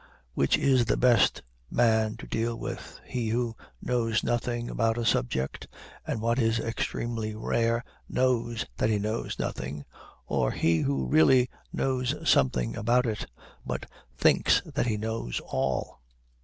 Which is the best man to deal with, he who knows nothing about a subject, and, what is extremely rare, knows that he knows nothing, or he who really knows something about it, but thinks that he knows all?